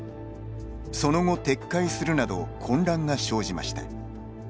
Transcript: その後撤回するなど混乱が生じました。